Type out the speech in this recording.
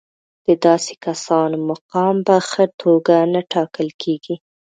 د داسې کسانو مقام په ښه توګه نه ټاکل کېږي.